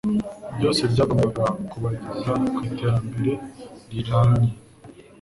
byose byagombaga kubageza ku iterambere riramye